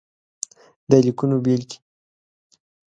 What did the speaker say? د ليکنو بېلګې :